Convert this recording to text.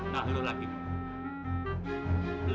nah lu lagi